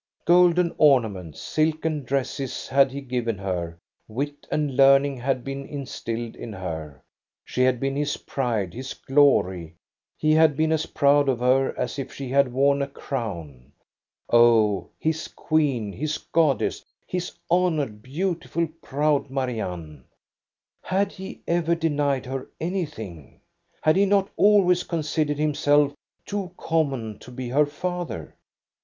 Golden ornaments, silken dresses had he given her, wit and learning had been instilled in her. She had been his pride, his glory. He had been as proud of her as if she had worn a crown. Oh, his queen, his goddess, his honored, beautiful, proud Marianne! Had he ever denied her anything? Had he not always THE BALL AT EKE BY 97 considered himself too common to be her father?